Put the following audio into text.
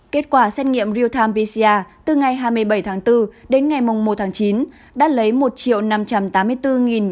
kết quả xét nghiệm real time pcr từ ngày hai mươi bảy tháng bốn đến ngày mùng một tháng chín đã lấy một năm trăm tám mươi bốn ba trăm tám mươi chín mẫu